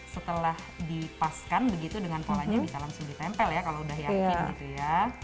setelah dipaskan begitu dengan polanya bisa langsung ditempel ya kalau udah yakin gitu ya